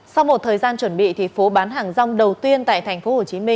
sau một thời gian chuẩn bị phố bán hàng rong đầu tiên tại tp hcm